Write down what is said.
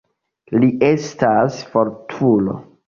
Li estas fortulo.